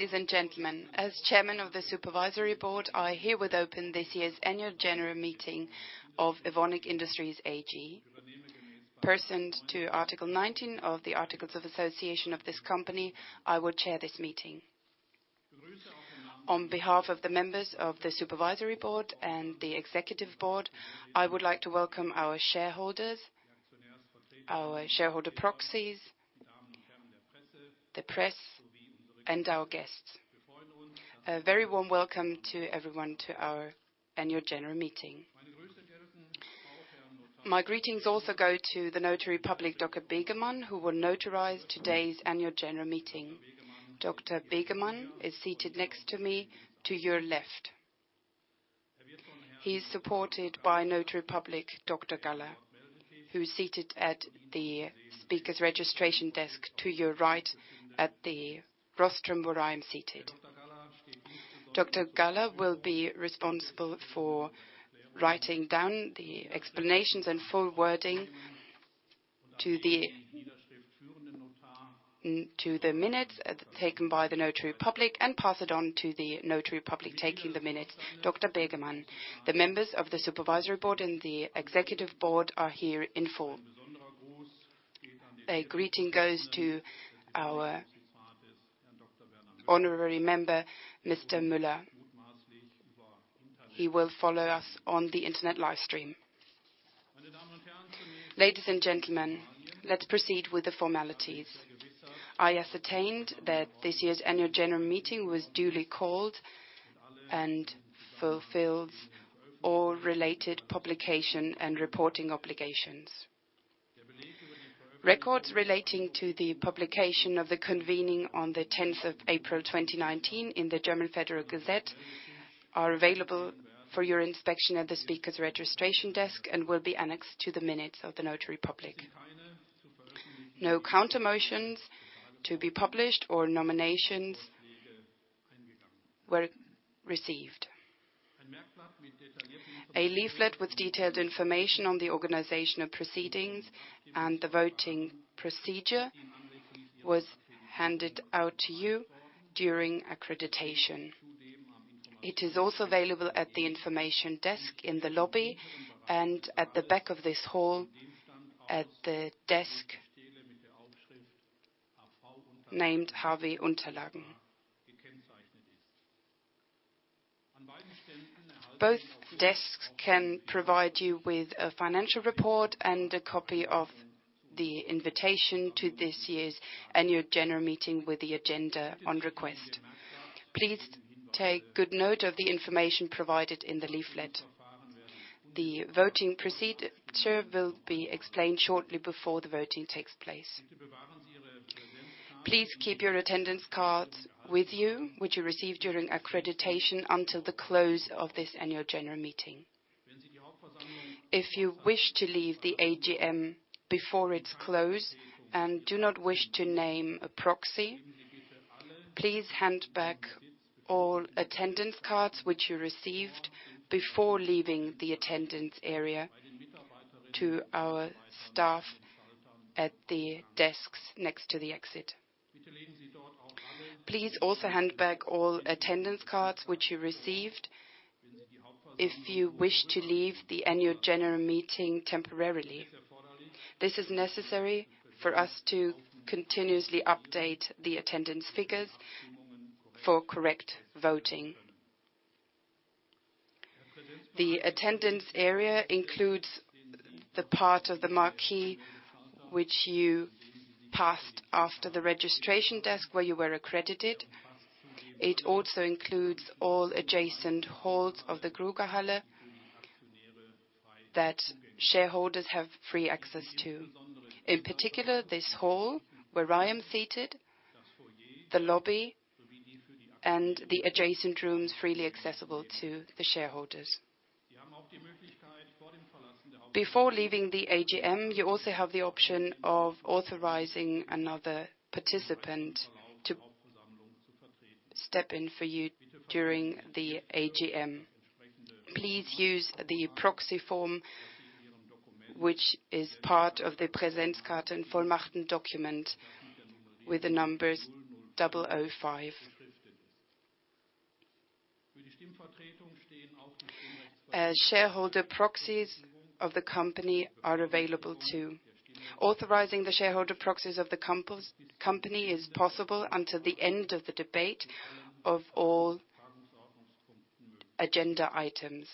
Ladies and gentlemen, as chairman of the supervisory board, I herewith open this year's annual general meeting of Evonik Industries AG. Pursuant to Article 19 of the Articles of Association of this company, I will chair this meeting. On behalf of the members of the supervisory board and the executive board, I would like to welcome our shareholders, our shareholder proxies, the press, and our guests. A very warm welcome to everyone to our annual general meeting. My greetings also go to the Notary Public Dr. Bigemann, who will notarize today's annual general meeting. Dr. Bigemann is seated next to me to your left. He is supported by Notary Public Dr. Galla, who's seated at the speaker's registration desk to your right at the rostrum where I am seated. Dr. Galla will be responsible for writing down the explanations and full wording to the minutes taken by the notary public and pass it on to the notary public taking the minutes, Dr. Bigemann. The members of the supervisory board and the executive board are here in full. A greeting goes to our honorary member, Mr. Müller. He will follow us on the internet live stream. Ladies and gentlemen, let's proceed with the formalities. I ascertained that this year's annual general meeting was duly called and fulfills all related publication and reporting obligations. Records relating to the publication of the convening on the 10th of April 2019 in the German Federal Gazette are available for your inspection at the speaker's registration desk and will be annexed to the minutes of the notary public. No counter motions to be published or nominations were received. A leaflet with detailed information on the organization of proceedings and the voting procedure was handed out to you during accreditation. It is also available at the information desk in the lobby and at the back of this hall at the desk named "HV Unterlagen." Both desks can provide you with a financial report and a copy of the invitation to this year's annual general meeting with the agenda on request. Please take good note of the information provided in the leaflet. The voting procedure will be explained shortly before the voting takes place. Please keep your attendance cards with you, which you received during accreditation, until the close of this annual general meeting. If you wish to leave the AGM before it's closed and do not wish to name a proxy, please hand back all attendance cards which you received before leaving the attendance area to our staff at the desks next to the exit. Please also hand back all attendance cards which you received if you wish to leave the annual general meeting temporarily. This is necessary for us to continuously update the attendance figures for correct voting. The attendance area includes the part of the marquee which you passed after the registration desk where you were accredited. It also includes all adjacent halls of the Grugahalle that shareholders have free access to. In particular, this hall where I am seated, the lobby, and the adjacent rooms freely accessible to the shareholders. Before leaving the AGM, you also have the option of authorizing another participant to step in for you during the AGM. Please use the proxy form, which is part of the Präsenzkarten und Vollmachten document with the numbers 005. Shareholder proxies of the company are available, too. Authorizing the shareholder proxies of the company is possible until the end of the debate of all agenda items.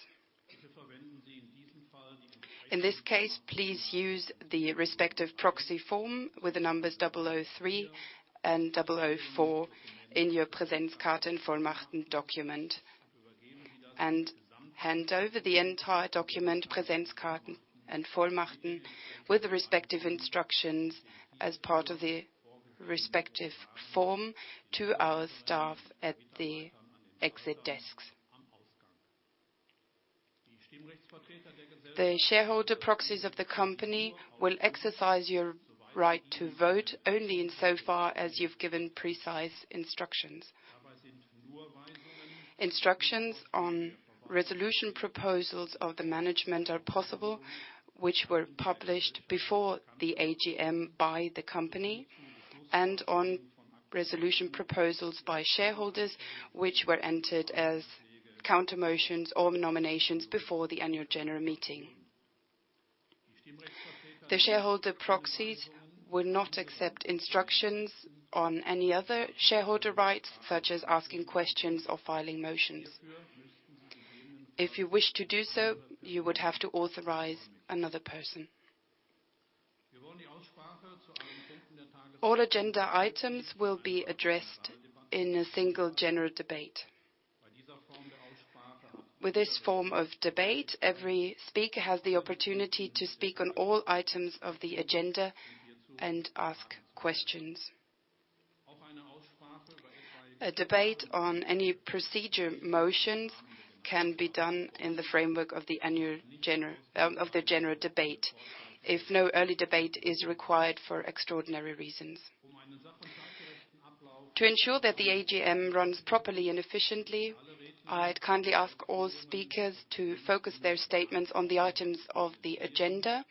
In this case, please use the respective proxy form with the numbers 003 and 004 in your Präsenzkarten und Vollmachten document and hand over the entire document, Präsenzkarten und Vollmachten, with the respective instructions as part of the respective form to our staff at the exit desks. The shareholder proxies of the company will exercise your right to vote only insofar as you've given precise instructions. Instructions on resolution proposals of the management are possible, which were published before the AGM by the company, and on resolution proposals by shareholders, which were entered as counter motions or nominations before the annual general meeting. The shareholder proxies will not accept instructions on any other shareholder rights, such as asking questions or filing motions. If you wish to do so, you would have to authorize another person. All agenda items will be addressed in a single general debate. With this form of debate, every speaker has the opportunity to speak on all items of the agenda and ask questions. A debate on any procedure motions can be done in the framework of the general debate, if no early debate is required for extraordinary reasons. To ensure that the AGM runs properly and efficiently, I'd kindly ask all speakers to focus their statements on the items of the agenda,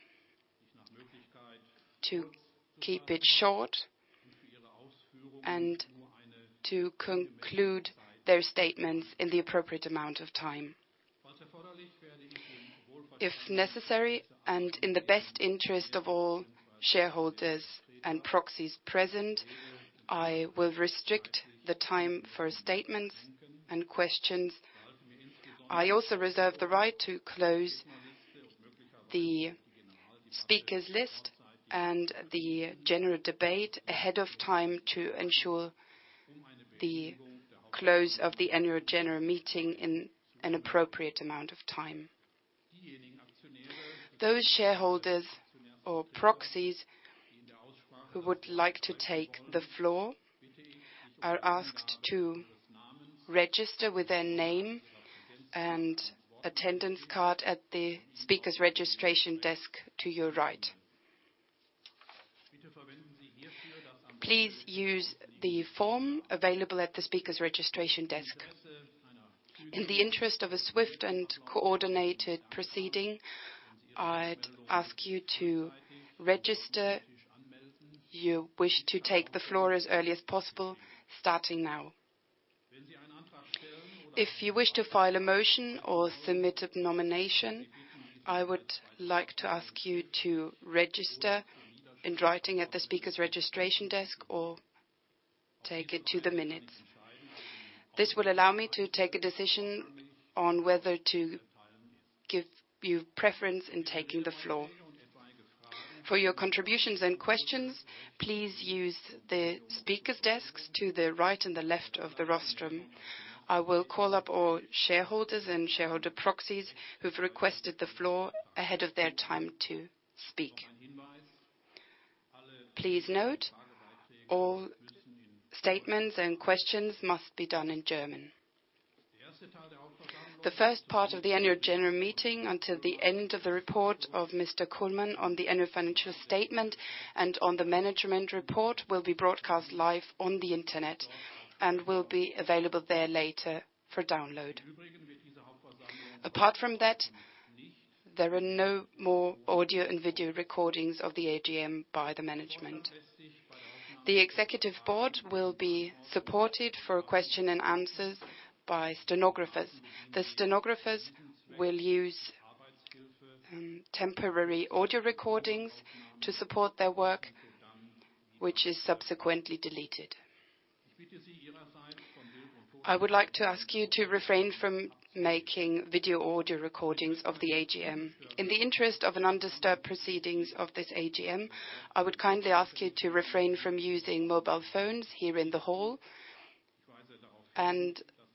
to keep it short, and to conclude their statements in the appropriate amount of time. If necessary, and in the best interest of all shareholders and proxies present, I will restrict the time for statements and questions. I also reserve the right to close the speakers list and the general debate ahead of time to ensure the close of the annual general meeting in an appropriate amount of time. Those shareholders or proxies who would like to take the floor are asked to register with their name and attendance card at the speakers registration desk to your right. Please use the form available at the speakers registration desk. In the interest of a swift and coordinated proceeding, I'd ask you to register you wish to take the floor as early as possible, starting now. If you wish to file a motion or submitted nomination, I would like to ask you to register in writing at the speakers registration desk or take it to the minutes. This will allow me to take a decision on whether to give you preference in taking the floor. For your contributions and questions, please use the speakers desks to the right and the left of the rostrum. I will call up all shareholders and shareholder proxies who've requested the floor ahead of their time to speak. Please note, all statements and questions must be done in German. The first part of the Annual General Meeting until the end of the report of Mr. Kullmann on the annual financial statement and on the management report will be broadcast live on the internet and will be available there later for download. Apart from that, there are no more audio and video recordings of the AGM by the management. The Executive Board will be supported for question and answers by stenographers. The stenographers will use temporary audio recordings to support their work, which is subsequently deleted. I would like to ask you to refrain from making video audio recordings of the AGM. In the interest of an undisturbed proceedings of this AGM, I would kindly ask you to refrain from using mobile phones here in the hall.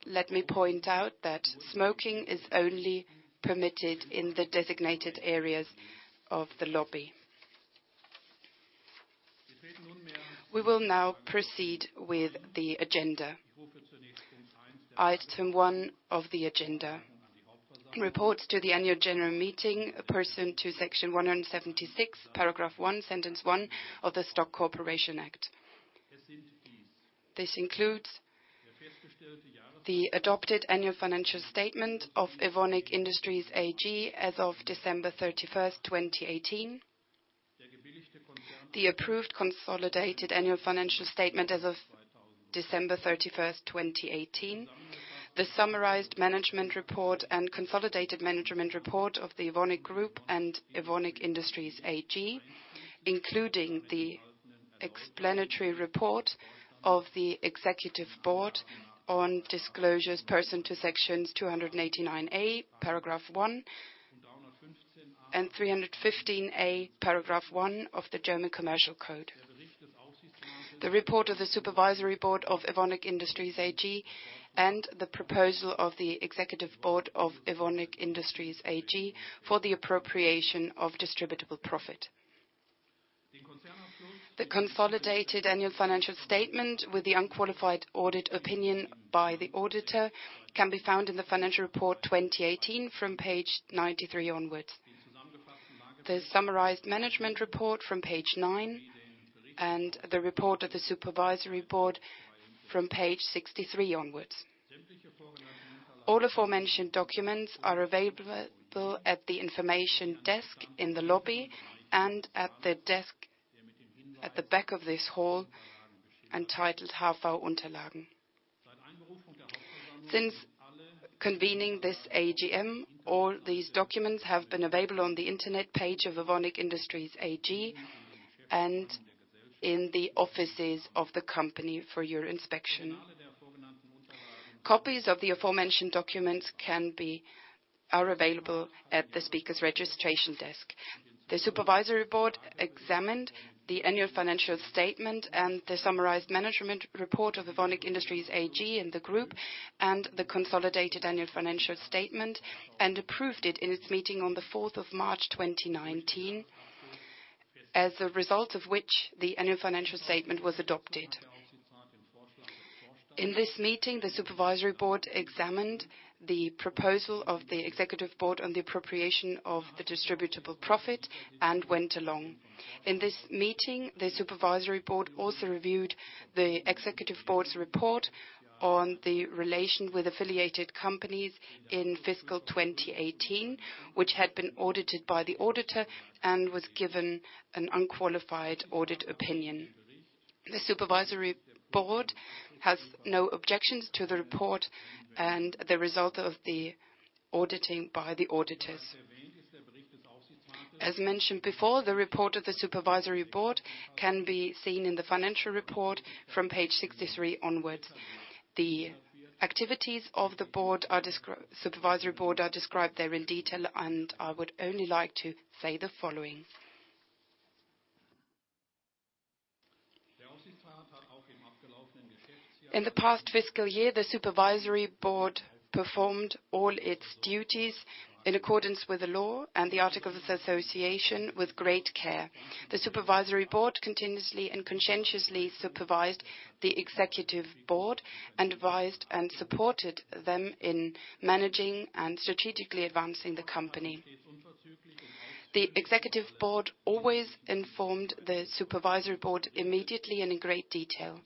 Let me point out that smoking is only permitted in the designated areas of the lobby. We will now proceed with the agenda. Item one of the agenda: reports to the Annual General Meeting pursuant to Section 176, Paragraph 1, Sentence 1 of the Stock Corporation Act. This includes the adopted annual financial statement of Evonik Industries AG as of December 31, 2018, the approved consolidated annual financial statement as of December 31, 2018, the summarized management report and consolidated management report of the Evonik Group and Evonik Industries AG, including the explanatory report of the Executive Board on disclosures pursuant to Sections 289a, Paragraph 1 and 315a, Paragraph 1 of the German Commercial Code. The report of the Supervisory Board of Evonik Industries AG and the proposal of the Executive Board of Evonik Industries AG for the appropriation of distributable profit. The consolidated annual financial statement with the unqualified audit opinion by the auditor can be found in the financial report 2018 from page 93 onwards. The summarized management report from page nine and the report of the Supervisory Board from page 63 onwards. All aforementioned documents are available at the information desk in the lobby and at the desk at the back of this hall entitled. Since convening this AGM, all these documents have been available on the internet page of Evonik Industries AG and in the offices of the company for your inspection. Copies of the aforementioned documents are available at the speaker's registration desk. The Supervisory Board examined the annual financial statement and the summarized management report of Evonik Industries AG and the Group, and the consolidated annual financial statement and approved it in its meeting on March 4, 2019, as a result of which the annual financial statement was adopted. In this meeting, the Supervisory Board examined the proposal of the Executive Board on the appropriation of the distributable profit and went along. In this meeting, the Supervisory Board also reviewed the Executive Board's report on the relation with affiliated companies in fiscal 2018, which had been audited by the auditor and was given an unqualified audit opinion. The Supervisory Board has no objections to the report and the result of the auditing by the auditors. As mentioned before, the report of the Supervisory Board can be seen in the financial report from page 63 onwards. The activities of the supervisory board are described there in detail. I would only like to say the following. In the past fiscal year, the supervisory board performed all its duties in accordance with the law and the articles of association with great care. The supervisory board continuously and conscientiously supervised the executive board and advised and supported them in managing and strategically advancing the company. The executive board always informed the supervisory board immediately and in great detail.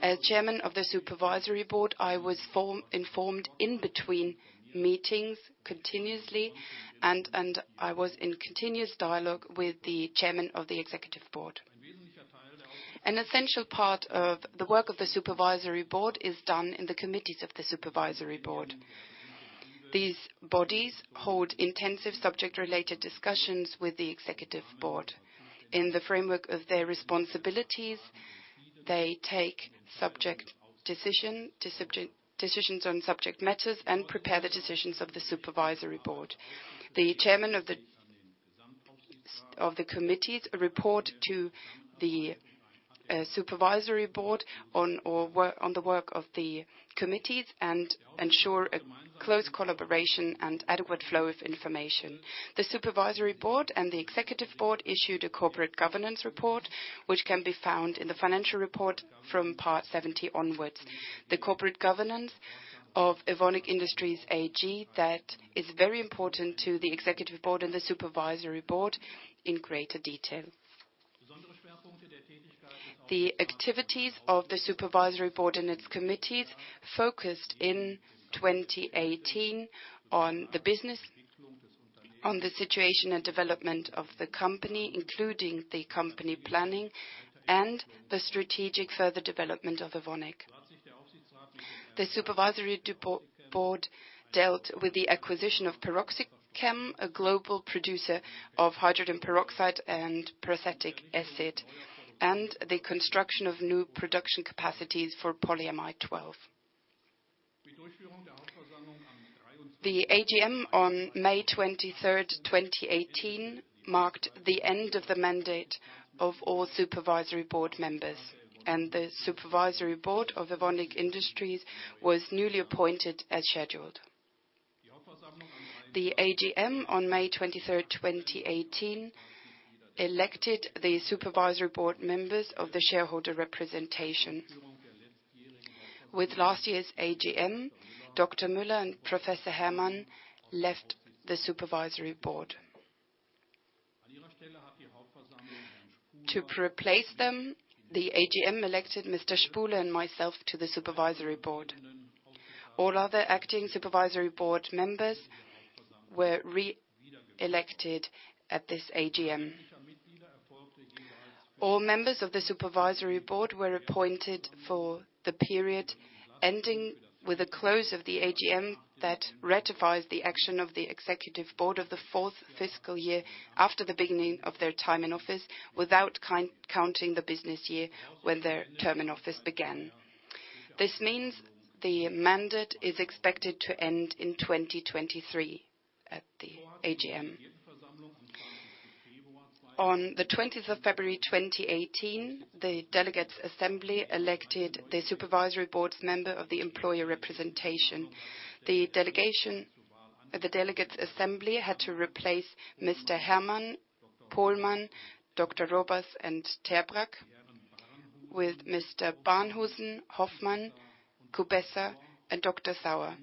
As chairman of the supervisory board, I was informed in between meetings continuously. I was in continuous dialogue with the chairman of the executive board. An essential part of the work of the supervisory board is done in the committees of the supervisory board. These bodies hold intensive subject-related discussions with the executive board. In the framework of their responsibilities, they take decisions on subject matters and prepare the decisions of the supervisory board. The chairman of the committees report to the supervisory board on the work of the committees and ensure a close collaboration and adequate flow of information. The supervisory board and the executive board issued a corporate governance report, which can be found in the financial report from part 70 onwards. The corporate governance of Evonik Industries AG that is very important to the executive board and the supervisory board in greater detail. The activities of the supervisory board and its committees focused in 2018 on the business, on the situation and development of the company, including the company planning and the strategic further development of Evonik. The supervisory board dealt with the acquisition of PeroxyChem, a global producer of hydrogen peroxide and peracetic acid, and the construction of new production capacities for Polyamide 12. The AGM on May 23rd, 2018, marked the end of the mandate of all supervisory board members. The supervisory board of Evonik Industries was newly appointed as scheduled. The AGM on May 23rd, 2018, elected the supervisory board members of the shareholder representation. With last year's AGM, Dr. Müller and Professor Herrmann left the supervisory board. To replace them, the AGM elected Mr. Spuhler and myself to the supervisory board. All other acting supervisory board members were re-elected at this AGM. All members of the supervisory board were appointed for the period ending with the close of the AGM that ratifies the action of the executive board of the fourth fiscal year after the beginning of their time in office, without counting the business year when their term in office began. This means the mandate is expected to end in 2023 at the AGM. On the 20th of February 2018, the delegates assembly elected the supervisory board's member of the employer representation. The delegates assembly had to replace Mr. Herrmann, Pohlmann, Dr. Robers and Terbraak. With Mr. Barnhusen, Hofmann, Kubessa, and Dr. Sauer,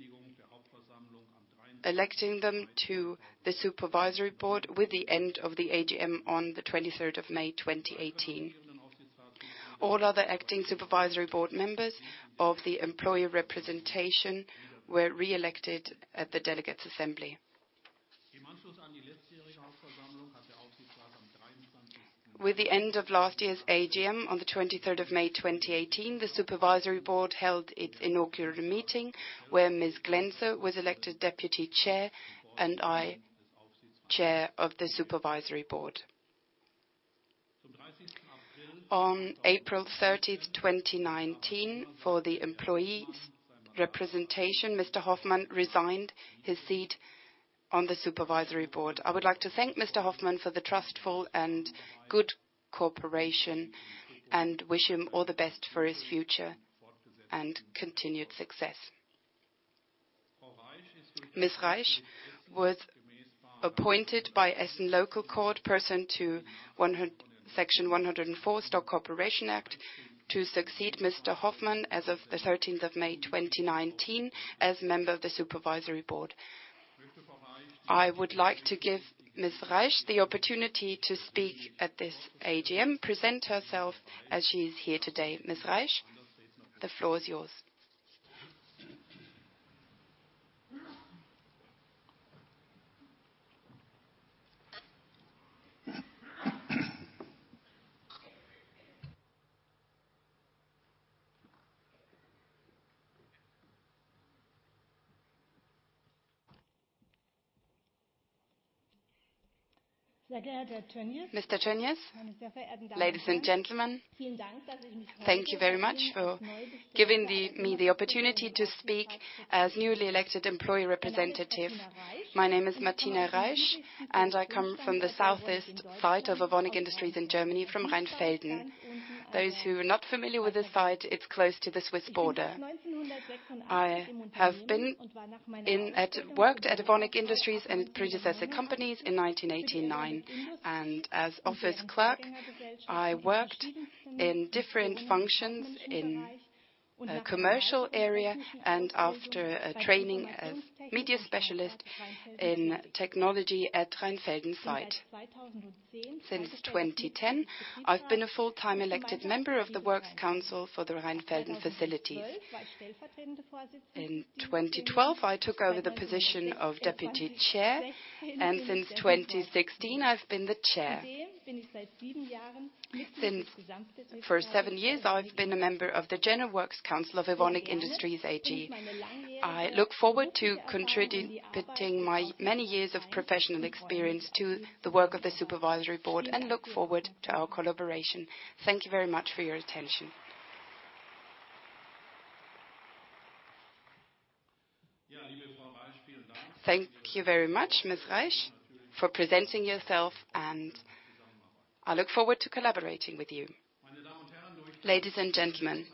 electing them to the supervisory board with the end of the AGM on the 23rd of May 2018. All other acting supervisory board members of the employee representation were reelected at the delegates assembly. With the end of last year's AGM on the 23rd of May 2018, the Supervisory Board held its inaugural meeting, where Ms. Glänzer was elected Deputy Chair and I, Chair of the Supervisory Board. On April 30th, 2019, for the employees' representation, Mr. Hofmann resigned his seat on the Supervisory Board. I would like to thank Mr. Hofmann for the trustful and good cooperation and wish him all the best for his future and continued success. Ms. Reisch was appointed by Essen local court pursuant to Section 104 Stock Corporation Act to succeed Mr. Hofmann as of the 13th of May 2019 as member of the Supervisory Board. I would like to give Ms. Reisch the opportunity to speak at this AGM, present herself as she is here today. Ms. Reisch, the floor is yours. Mr. Tönjes, ladies and gentlemen, thank you very much for giving me the opportunity to speak as newly elected employee representative. My name is Martina Reisch, and I come from the southeast side of Evonik Industries in Germany from Rheinfelden. Those who are not familiar with the site, it's close to the Swiss border. I have worked at Evonik Industries and predecessor companies in 1989. As office clerk, I worked in different functions in a commercial area and after training as media specialist in technology at Rheinfelden site. Since 2010, I've been a full-time elected member of the Works Council for the Rheinfelden facility. In 2012, I took over the position of Deputy Chair, and since 2016, I've been the Chair. For seven years, I've been a member of the General Works Council of Evonik Industries AG. I look forward to contributing my many years of professional experience to the work of the Supervisory Board and look forward to our collaboration. Thank you very much for your attention. Thank you very much, Ms. Reisch, for presenting yourself, and I look forward to collaborating with you. Ladies and gentlemen,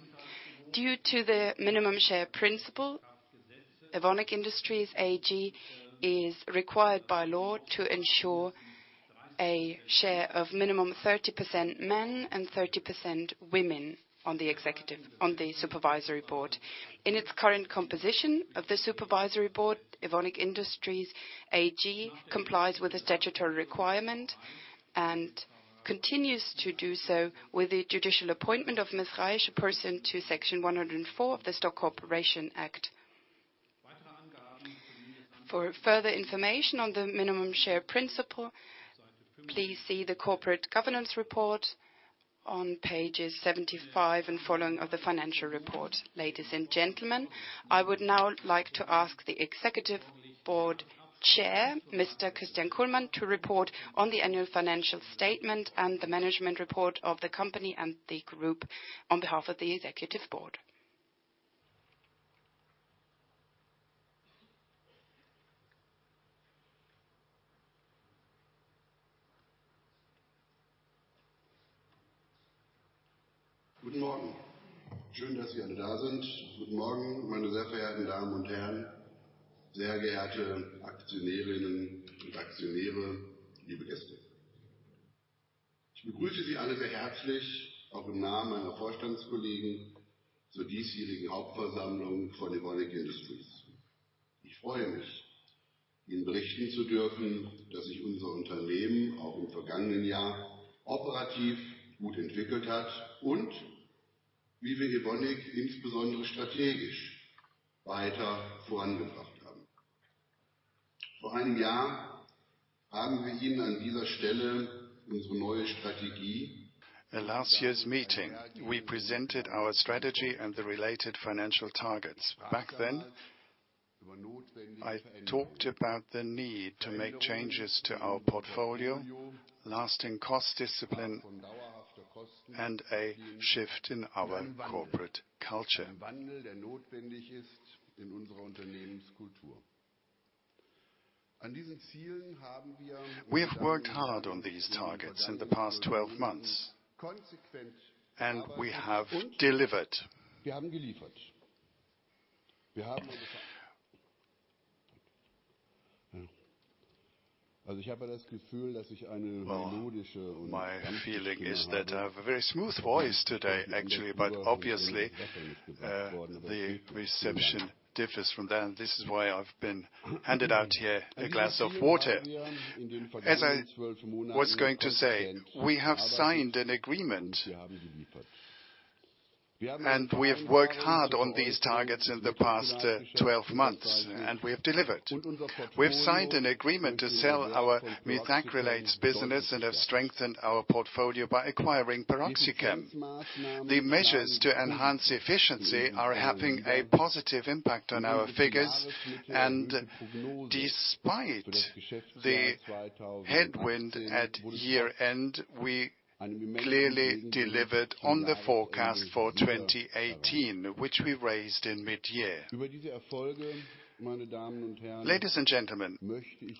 due to the minimum share principle, Evonik Industries AG is required by law to ensure a share of minimum 30% men and 30% women on the Supervisory Board. In its current composition of the Supervisory Board, Evonik Industries AG complies with the statutory requirement and continues to do so with the judicial appointment of Ms. Reisch, a person to Section 104 of the Stock Corporation Act. For further information on the minimum share principle, please see the corporate governance report on pages 75 and following of the financial report. Ladies and gentlemen, I would now like to ask the Executive Board Chair, Mr. Christian Kullmann, to report on the annual financial statement and the management report of the company and the Group on behalf of the Executive Board. At last year's meeting, we presented our strategy and the related financial targets. Back then, I talked about the need to make changes to our portfolio, lasting cost discipline, and a shift in our corporate culture. We have worked hard on these targets in the past 12 months, and we have delivered. My feeling is that I have a very smooth voice today, actually, but obviously, the reception differs from then. This is why I've been handed out here a glass of water. We have signed an agreement, and we have worked hard on these targets in the past 12 months, and we have delivered. We have signed an agreement to sell our methacrylates business and have strengthened our portfolio by acquiring PeroxyChem. The measures to enhance efficiency are having a positive impact on our figures, and despite the headwind at year-end, we clearly delivered on the forecast for 2018, which we raised in mid-year. Ladies and gentlemen,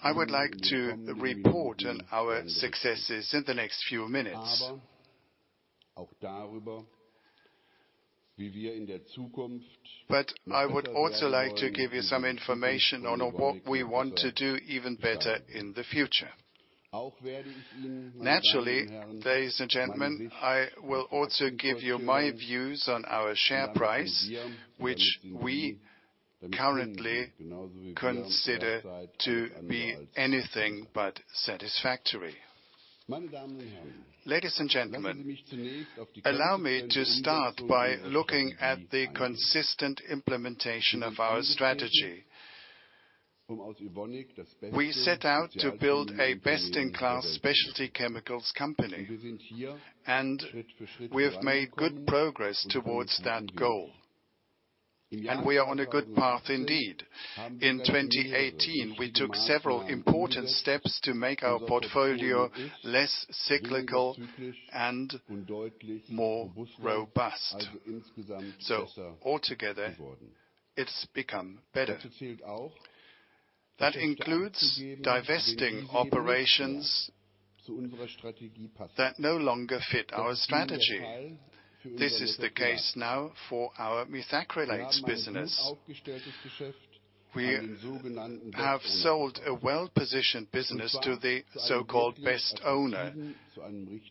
I would like to report on our successes in the next few minutes. I would also like to give you some information on what we want to do even better in the future. Naturally, ladies and gentlemen, I will also give you my views on our share price, which we currently consider to be anything but satisfactory. Ladies and gentlemen, allow me to start by looking at the consistent implementation of our strategy. We set out to build a best-in-class specialty chemicals company, and we have made good progress towards that goal. We are on a good path, indeed. In 2018, we took several important steps to make our portfolio less cyclical and more robust. Altogether, it's become better. That includes divesting operations that no longer fit our strategy. This is the case now for our methacrylates business. We have sold a well-positioned business to the so-called best owner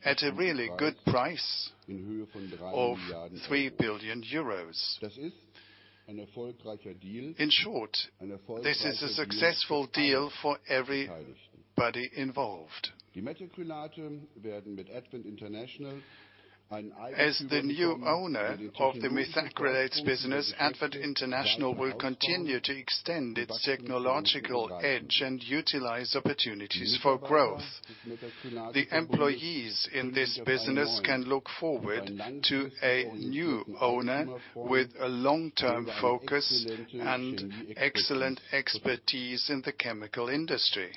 at a really good price of EUR 3 billion. In short, this is a successful deal for everybody involved. As the new owner of the methacrylates business, Advent International will continue to extend its technological edge and utilize opportunities for growth. The employees in this business can look forward to a new owner with a long-term focus and excellent expertise in the chemical industry.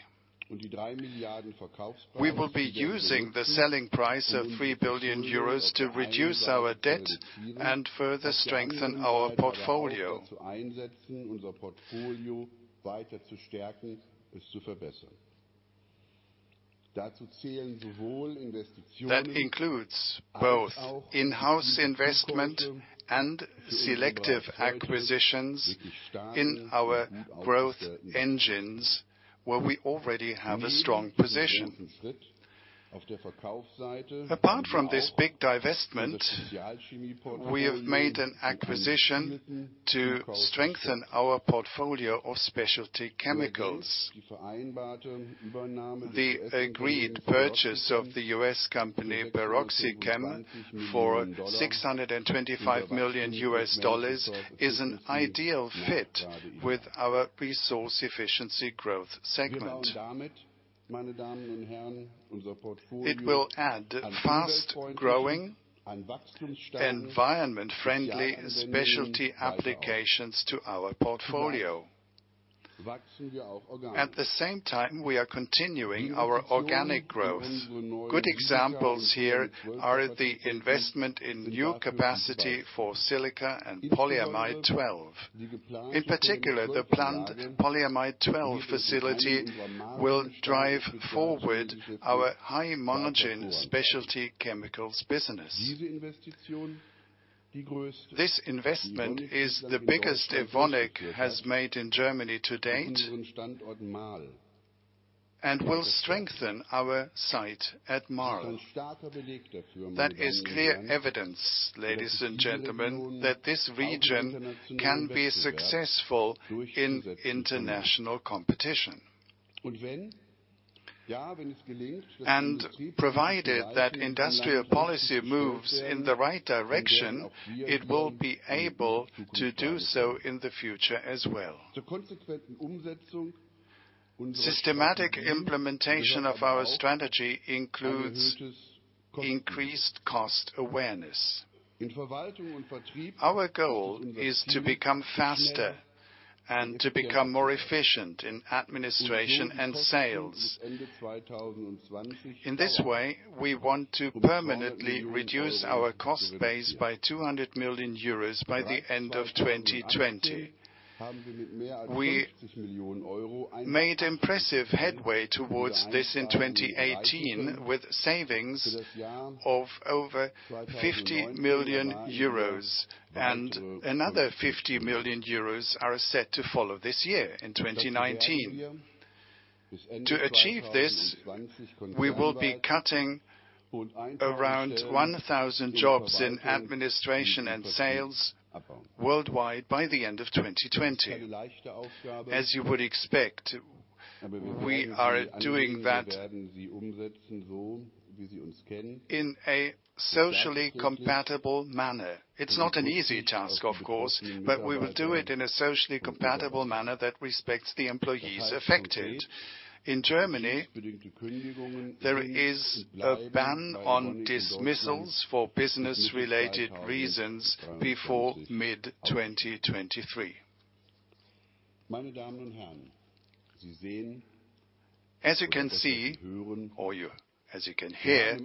We will be using the selling price of 3 billion euros to reduce our debt and further strengthen our portfolio. That includes both in-house investment and selective acquisitions in our growth engines, where we already have a strong position. Apart from this big divestment, we have made an acquisition to strengthen our portfolio of specialty chemicals. The agreed purchase of the U.S. company, PeroxyChem, for $625 million is an ideal fit with our Resource Efficiency growth segment. It will add fast-growing, environment-friendly specialty applications to our portfolio. At the same time, we are continuing our organic growth. Good examples here are the investment in new capacity for silica and Polyamide 12. In particular, the planned Polyamide 12 facility will drive forward our high-margin specialty chemicals business. This investment is the biggest Evonik has made in Germany to date and will strengthen our site at Marl. That is clear evidence, ladies and gentlemen, that this region can be successful in international competition. Provided that industrial policy moves in the right direction, it will be able to do so in the future as well. Systematic implementation of our strategy includes increased cost awareness. Our goal is to become faster and to become more efficient in administration and sales. In this way, we want to permanently reduce our cost base by 200 million euros by the end of 2020. We made impressive headway towards this in 2018 with savings of over 50 million euros, and another 50 million euros are set to follow this year in 2019. To achieve this, we will be cutting around 1,000 jobs in administration and sales worldwide by the end of 2020. As you would expect, we are doing that in a socially compatible manner. It's not an easy task, of course, but we will do it in a socially compatible manner that respects the employees affected. In Germany, there is a ban on dismissals for business-related reasons before mid-2023. As you can see, or as you can hear,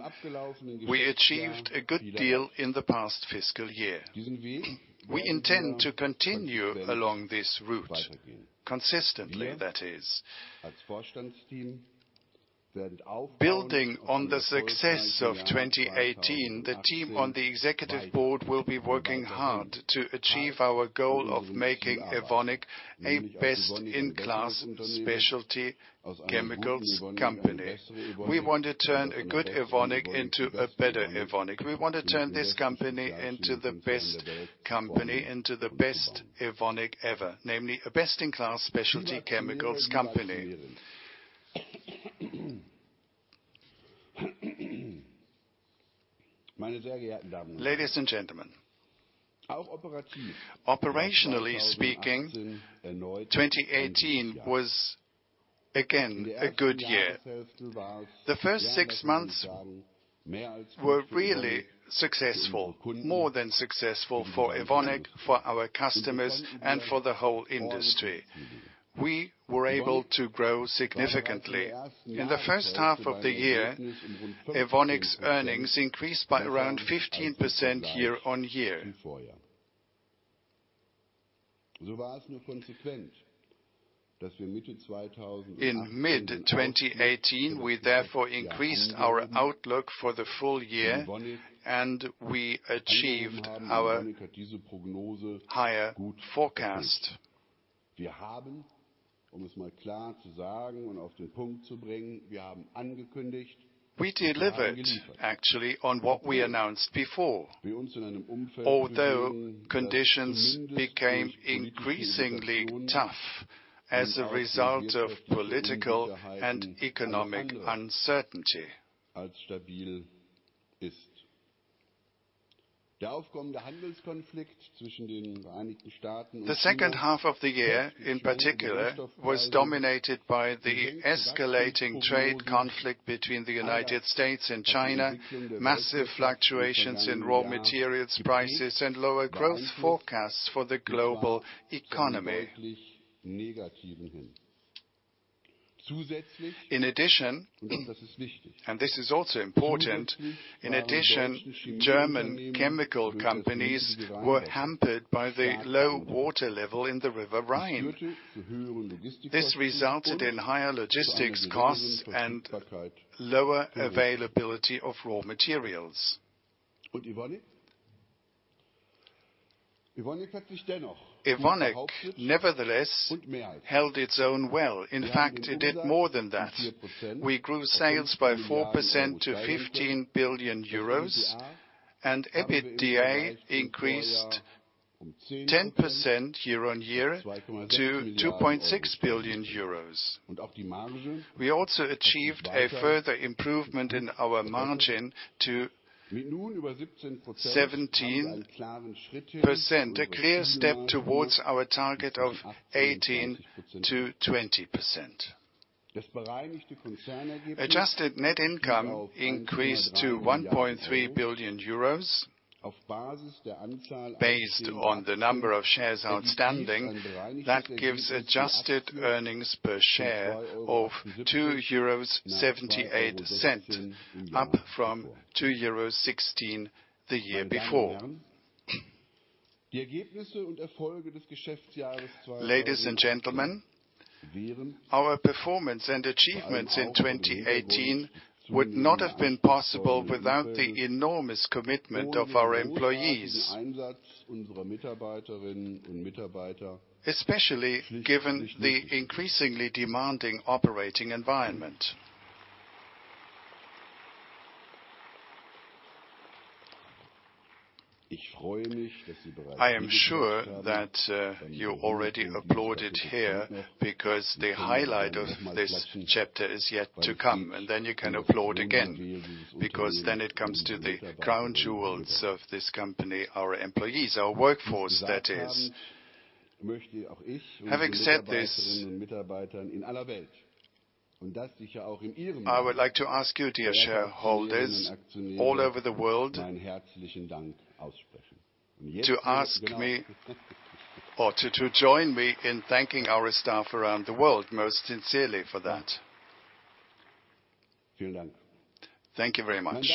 we achieved a good deal in the past fiscal year. We intend to continue along this route, consistently that is. Building on the success of 2018, the team on the Executive Board will be working hard to achieve our goal of making Evonik a best-in-class specialty chemicals company. We want to turn a good Evonik into a better Evonik. We want to turn this company into the best company, into the best Evonik ever, namely a best-in-class specialty chemicals company. Ladies and gentlemen. Operationally speaking, 2018 was again a good year. The first six months were really successful, more than successful for Evonik, for our customers, and for the whole industry. We were able to grow significantly. In the first half of the year, Evonik's earnings increased by around 15% year-on-year. In mid-2018, we therefore increased our outlook for the full year, and we achieved our higher forecast. We delivered actually on what we announced before. Although conditions became increasingly tough as a result of political and economic uncertainty. The second half of the year, in particular, was dominated by the escalating trade conflict between the U.S. and China, massive fluctuations in raw materials prices, and lower growth forecasts for the global economy. In addition, and this is also important, in addition, German chemical companies were hampered by the low water level in the River Rhine. This resulted in higher logistics costs and lower availability of raw materials. Evonik, nevertheless, held its own well. In fact, it did more than that. We grew sales by 4% to 15 billion euros, and EBITDA increased 10% year-on-year to 2.6 billion euros. We also achieved a further improvement in our margin to 17%, a clear step towards our target of 18%-20%. Adjusted net income increased to 1.3 billion euros. Based on the number of shares outstanding, that gives adjusted earnings per share of 2.78 euros, up from 2.16 euros the year before. Ladies and gentlemen, our performance and achievements in 2018 would not have been possible without the enormous commitment of our employees, especially given the increasingly demanding operating environment. I am sure that you already applauded here because the highlight of this chapter is yet to come, and then you can applaud again, because then it comes to the crown jewels of this company, our employees, our workforce that is. Having said this, I would like to ask you, dear shareholders all over the world, to join me in thanking our staff around the world most sincerely for that. Thank you very much.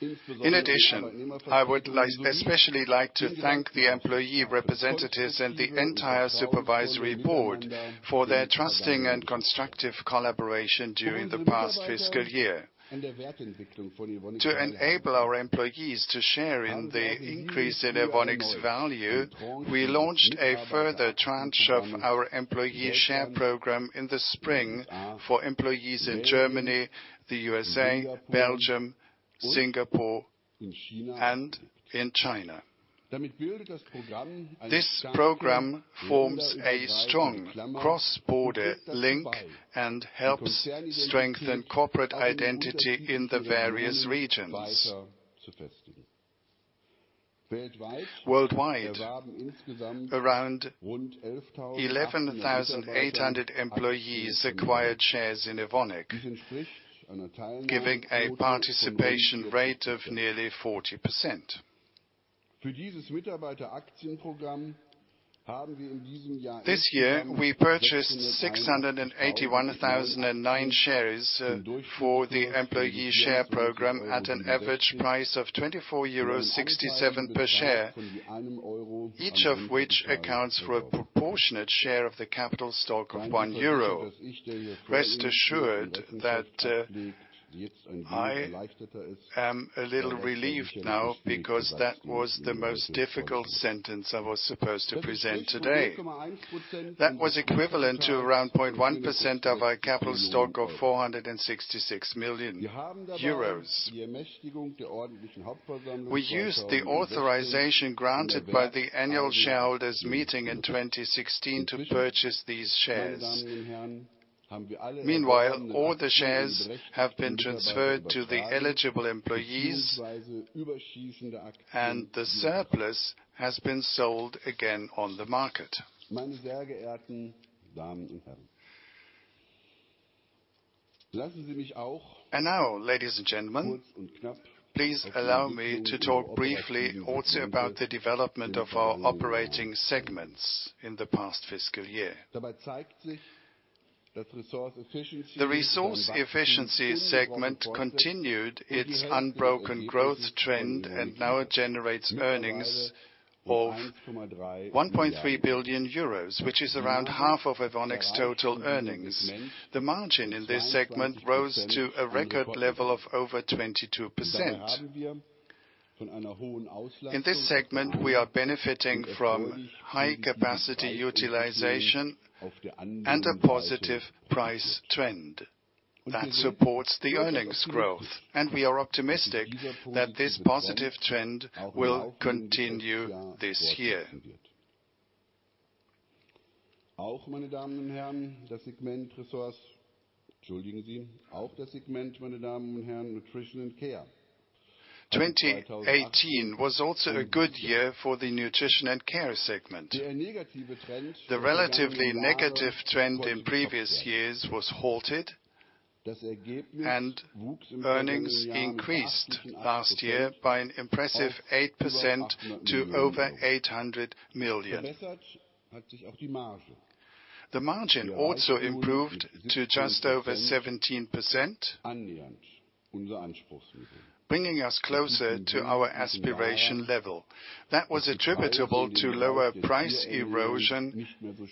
In addition, I would especially like to thank the employee representatives and the entire Supervisory Board for their trusting and constructive collaboration during the past fiscal year. To enable our employees to share in the increase in Evonik's value, we launched a further tranche of our employee share program in the spring for employees in Germany, the U.S.A., Belgium, Singapore, and in China. This program forms a strong cross-border link and helps strengthen corporate identity in the various regions. Worldwide, around 11,800 employees acquired shares in Evonik, giving a participation rate of nearly 40%. This year, we purchased 681,009 shares for the employee share program at an average price of 24.67 euros per share, each of which accounts for a proportionate share of the capital stock of 1 euro. Rest assured that I am a little relieved now because that was the most difficult sentence I was supposed to present today. That was equivalent to around 0.1% of our capital stock of 466 million euros. We used the authorization granted by the annual shareholders meeting in 2016 to purchase these shares. Meanwhile, all the shares have been transferred to the eligible employees, and the surplus has been sold again on the market. Now, ladies and gentlemen, please allow me to talk briefly also about the development of our operating segments in the past fiscal year. The Resource Efficiency segment continued its unbroken growth trend and now it generates earnings of 1.3 billion euros, which is around half of Evonik's total earnings. The margin in this segment rose to a record level of over 22%. In this segment, we are benefiting from high capacity utilization and a positive price trend that supports the earnings growth, and we are optimistic that this positive trend will continue this year. 2018 was also a good year for the Nutrition & Care segment. The relatively negative trend in previous years was halted, and earnings increased last year by an impressive 8% to over 800 million. The margin also improved to just over 17%, bringing us closer to our aspiration level. That was attributable to lower price erosion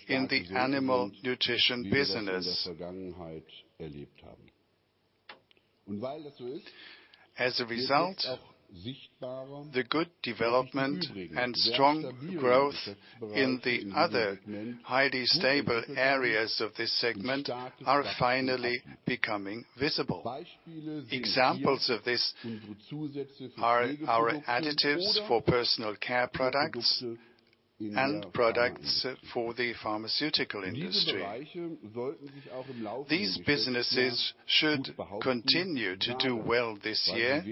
in the animal nutrition business. As a result, the good development and strong growth in the other highly stable areas of this segment are finally becoming visible. Examples of this are our additives for personal care products and products for the pharmaceutical industry. These businesses should continue to do well this year,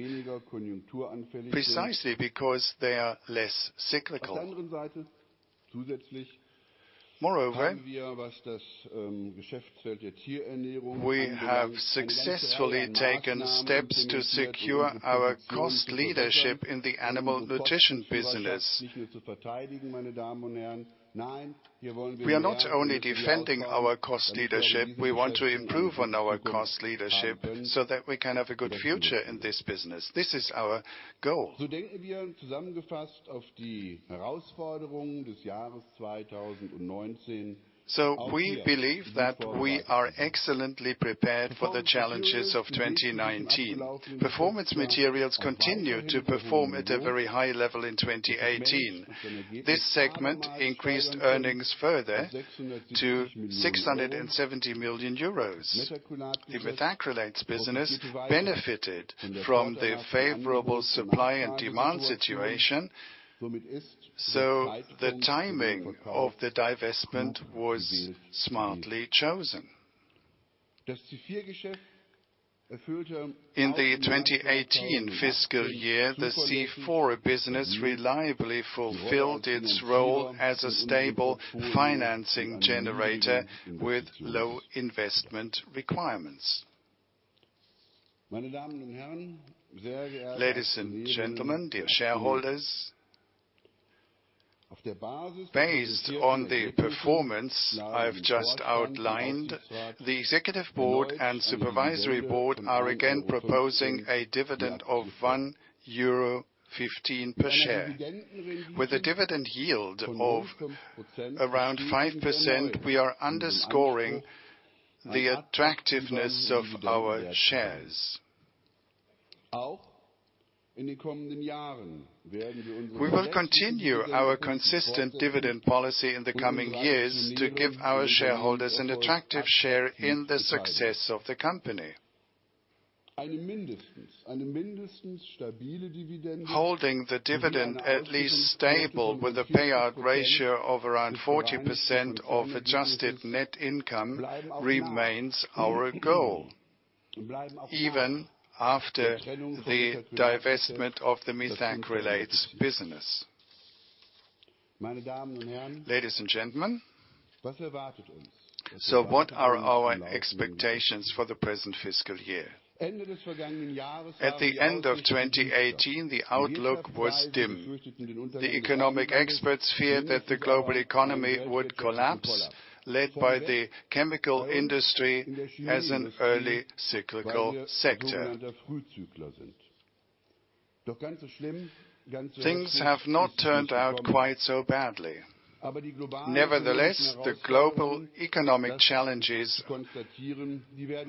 precisely because they are less cyclical. Moreover, we have successfully taken steps to secure our cost leadership in the animal nutrition business. We are not only defending our cost leadership, we want to improve on our cost leadership so that we can have a good future in this business. This is our goal. We believe that we are excellently prepared for the challenges of 2019. Performance Materials continue to perform at a very high level in 2018. This segment increased earnings further to 670 million euros. The methacrylates business benefited from the favorable supply and demand situation, so the timing of the divestment was smartly chosen. In the 2018 fiscal year, the C4 business reliably fulfilled its role as a stable financing generator with low investment requirements. Ladies and gentlemen, dear shareholders. Based on the performance I've just outlined, the Executive Board and Supervisory Board are again proposing a dividend of 1.15 euro per share. With a dividend yield of around 5%, we are underscoring the attractiveness of our shares. We will continue our consistent dividend policy in the coming years to give our shareholders an attractive share in the success of the company. Holding the dividend at least stable with a payout ratio of around 40% of adjusted net income remains our goal, even after the divestment of the methacrylates business. Ladies and gentlemen, what are our expectations for the present fiscal year? At the end of 2018, the outlook was dim. The economic experts feared that the global economy would collapse, led by the chemical industry as an early cyclical sector. Things have not turned out quite so badly. Nevertheless, the global economic challenges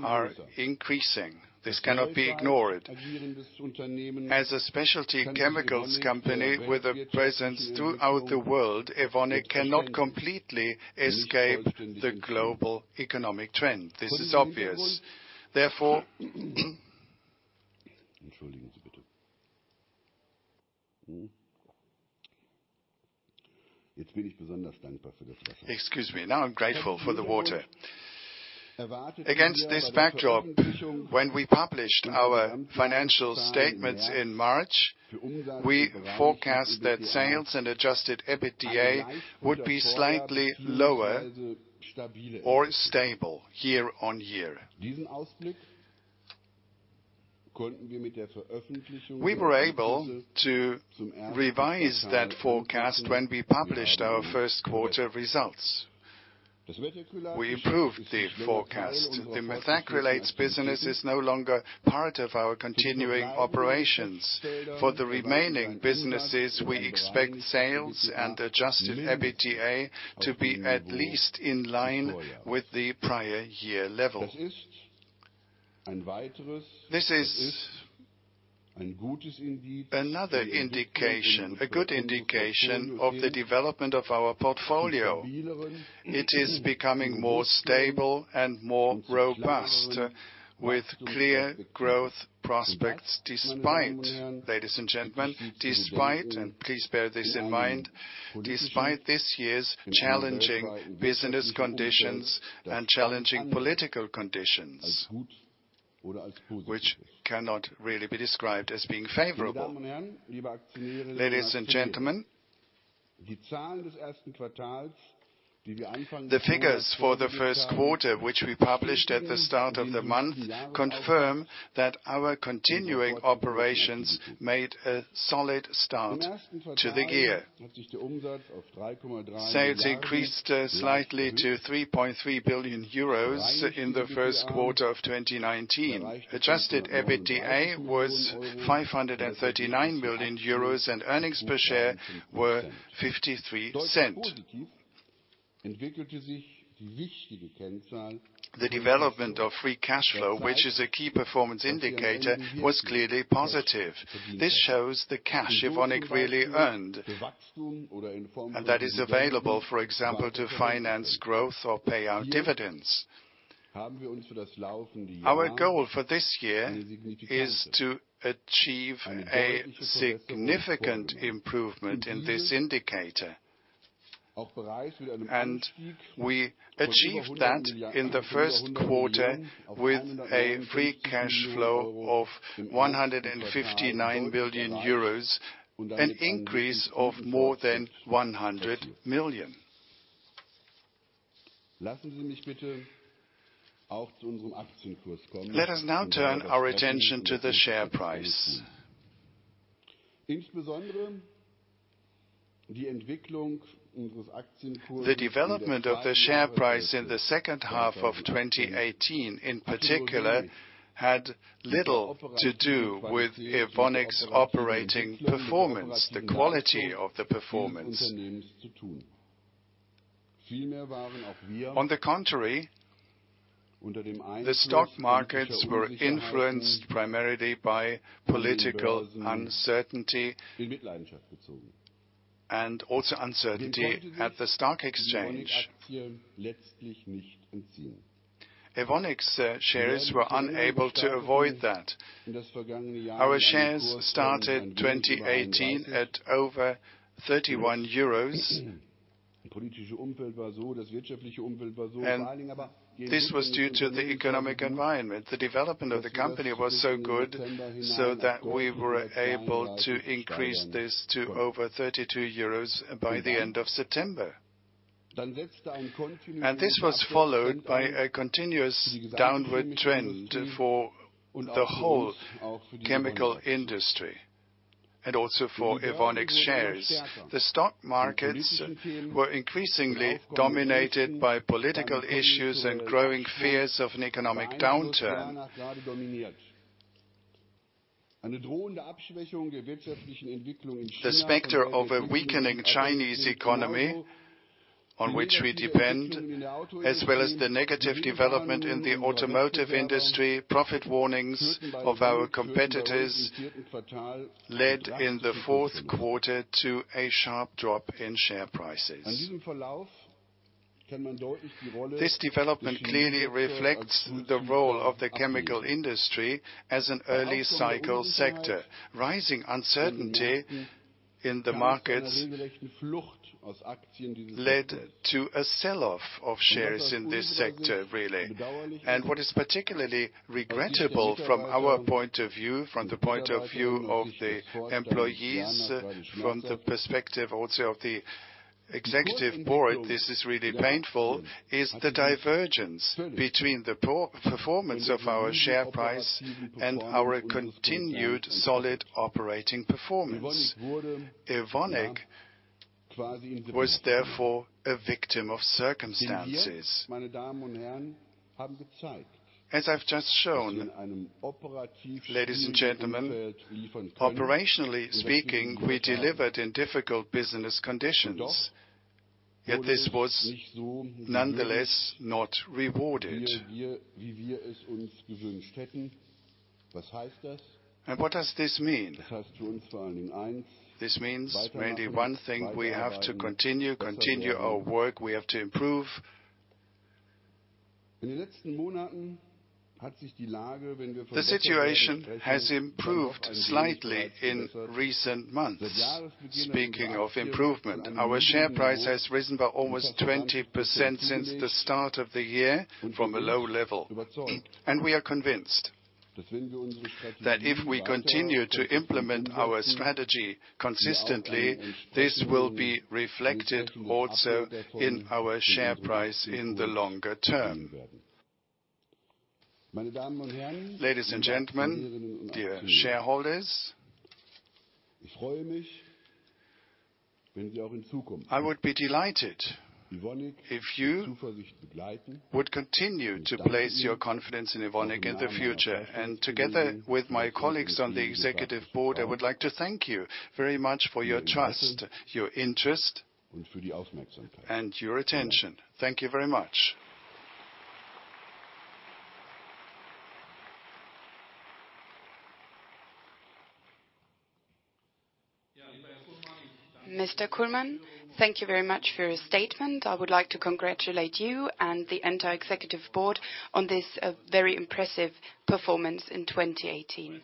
are increasing. This cannot be ignored. As a specialty chemicals company with a presence throughout the world, Evonik cannot completely escape the global economic trend. This is obvious. Therefore, excuse me. Now I'm grateful for the water. Against this backdrop, when we published our financial statements in March, we forecast that sales and adjusted EBITDA would be slightly lower or stable year-on-year. We were able to revise that forecast when we published our first quarter results. We improved the forecast. The methacrylates business is no longer part of our continuing operations. For the remaining businesses, we expect sales and adjusted EBITDA to be at least in line with the prior-year level. This is another indication, a good indication of the development of our portfolio. It is becoming more stable and more robust with clear growth prospects, despite, ladies and gentlemen, and please bear this in mind, despite this year's challenging business conditions and challenging political conditions, which cannot really be described as being favorable. Ladies and gentlemen, the figures for the first quarter, which we published at the start of the month, confirm that our continuing operations made a solid start to the year. Sales increased slightly to 3.3 billion euros in the first quarter of 2019. Adjusted EBITDA was 539 million euros and earnings per share were 0.53. The development of free cash flow, which is a key performance indicator, was clearly positive. This shows the cash Evonik really earned, and that is available, for example, to finance growth or pay out dividends. Our goal for this year is to achieve a significant improvement in this indicator, and we achieved that in the first quarter with a free cash flow of 159 million euros, an increase of more than 100 million. Let us now turn our attention to the share price. The development of the share price in the second half of 2018 in particular had little to do with Evonik's operating performance, the quality of the performance. On the contrary, the stock markets were influenced primarily by political uncertainty and also uncertainty at the stock exchange. Evonik's shares were unable to avoid that. Our shares started 2018 at over 31 euros, and this was due to the economic environment. The development of the company was so good, so that we were able to increase this to over 32 euros by the end of September. This was followed by a continuous downward trend for the whole chemical industry and also for Evonik shares. The stock markets were increasingly dominated by political issues and growing fears of an economic downturn. The specter of a weakening Chinese economy on which we depend, as well as the negative development in the automotive industry, profit warnings of our competitors led in the fourth quarter to a sharp drop in share prices. This development clearly reflects the role of the chemical industry as an early cycle sector. Rising uncertainty in the markets led to a sell-off of shares in this sector, really. What is particularly regrettable from our point of view, from the point of view of the employees, from the perspective also of the executive board, this is really painful, is the divergence between the performance of our share price and our continued solid operating performance. Evonik was therefore a victim of circumstances. As I've just shown, ladies and gentlemen, operationally speaking, we delivered in difficult business conditions, yet this was nonetheless not rewarded. What does this mean? This means mainly one thing, we have to continue our work. We have to improve. The situation has improved slightly in recent months. Speaking of improvement, our share price has risen by almost 20% since the start of the year from a low level, and we are convinced that if we continue to implement our strategy consistently, this will be reflected also in our share price in the longer term. Ladies and gentlemen, dear shareholders, I would be delighted if you would continue to place your confidence in Evonik in the future. Together with my colleagues on the executive board, I would like to thank you very much for your trust, your interest, and your attention. Thank you very much. Mr. Kullmann, thank you very much for your statement. I would like to congratulate you and the entire executive board on this very impressive performance in 2018.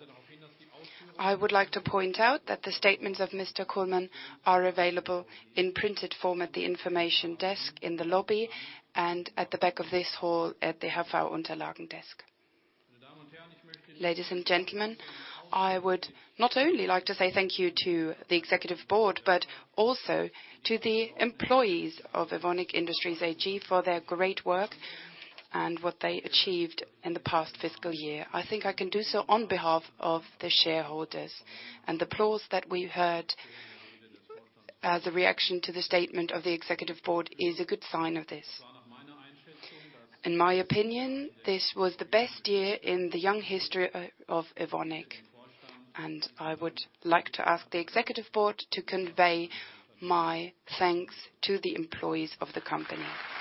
I would like to point out that the statements of Mr. Kullmann are available in printed form at the information desk in the lobby and at the back of this hall at the desk. Ladies and gentlemen, I would not only like to say thank you to the executive board, but also to the employees of Evonik Industries AG for their great work and what they achieved in the past fiscal year. I think I can do so on behalf of the shareholders, the applause that we heard as a reaction to the statement of the executive board is a good sign of this. In my opinion, this was the best year in the young history of Evonik, and I would like to ask the executive board to convey my thanks to the employees of the company.